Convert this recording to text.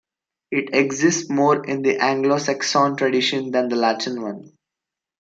It exists more in the Anglo-Saxon tradition than the Latin one.